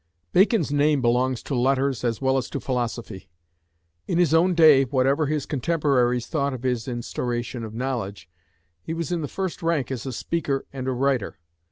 Bacon's name belongs to letters as well as to philosophy. In his own day, whatever his contemporaries thought of his Instauration of Knowledge, he was in the first rank as a speaker and a writer.